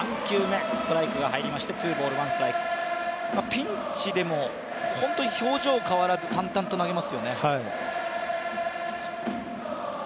ピンチでも本当に表情変わらず淡々と投げますよね。